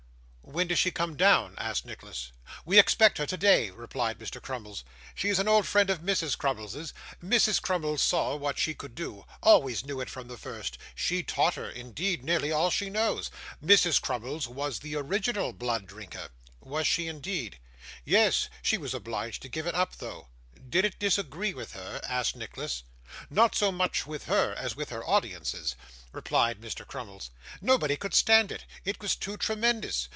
'When does she come down?' asked Nicholas. 'We expect her today,' replied Mr. Crummles. 'She is an old friend of Mrs Crummles's. Mrs. Crummles saw what she could do always knew it from the first. She taught her, indeed, nearly all she knows. Mrs. Crummles was the original Blood Drinker.' 'Was she, indeed?' 'Yes. She was obliged to give it up though.' 'Did it disagree with her?' asked Nicholas. 'Not so much with her, as with her audiences,' replied Mr. Crummles. 'Nobody could stand it. It was too tremendous.